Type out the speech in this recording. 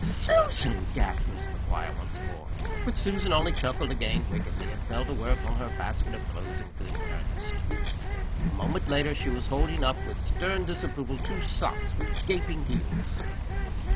"Susan!" gasped Mrs. McGuire once more; but Susan only chuckled again wickedly, and fell to work on her basket of clothes in good earnest. A moment later she was holding up with stern disapproval two socks with gaping heels.